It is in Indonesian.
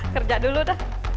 kerja dulu tuh